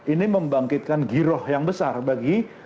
ini membangkitkan giroh yang besar bagi